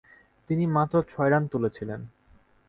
তিনি মাত্র ছয় রান তুলেছিলেন।